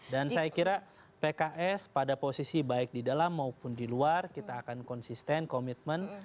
saya kira pks pada posisi baik di dalam maupun di luar kita akan konsisten komitmen